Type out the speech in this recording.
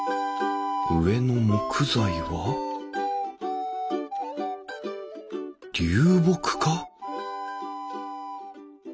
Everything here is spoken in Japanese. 上の木材は流木か？